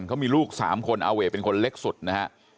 เขามีลูก๓คนอาเวทเป็นคนเล็กสุดนะฮะ